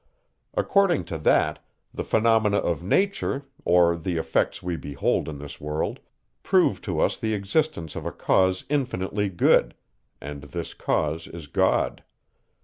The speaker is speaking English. According to that, the phenomena of nature, or the effects we behold in this world, prove to us the existence of a cause infinitely good; and this cause is God.